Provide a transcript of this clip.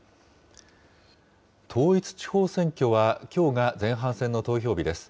統一地方選挙はきょうが前半戦の投票日です。